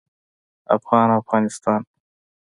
افغان او افغانستان